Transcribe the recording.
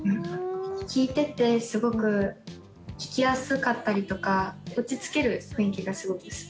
聴いてて、すごく聴きやすかったりとか、落ち着ける雰囲気がすごく好き。